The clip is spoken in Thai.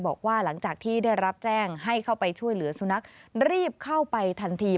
บอกว่าหลังจากที่ได้รับแจ้งให้เข้าไปช่วยเหลือสุนัขรีบเข้าไปทันที